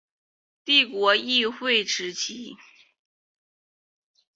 帝国议会时期。